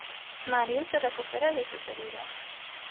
Marius se recupera de sus heridas.